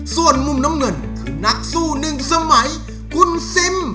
ส่วนมุมน้ำเงินคือนักสู้หนึ่งสมัยคุณซิม